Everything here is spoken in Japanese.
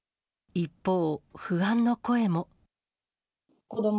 一方、不安の声も。